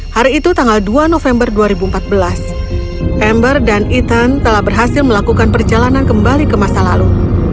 hari itu tanggal dua november dua ribu empat belas ember dan ethan telah berhasil melakukan perjalanan kembali ke masa lalu